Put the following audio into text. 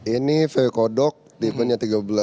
ini vw kodok timenya seribu tiga ratus dua